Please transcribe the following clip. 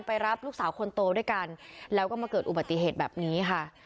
รับลูกสาวคนโตด้วยกันแล้วก็มาเกิดอุบัติเหตุแบบนี้ค่ะ